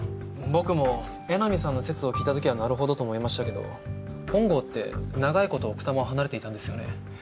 僕も江波さんの説を聞いたときはなるほどと思いましたけど本郷って長いこと奥多摩を離れていたんですよね？